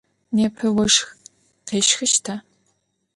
Nêpe voşx khêşxışta?